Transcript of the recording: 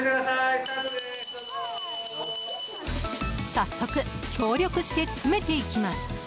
早速、協力して詰めていきます。